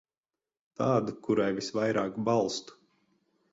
Tādu, kurai visvairāk balstu.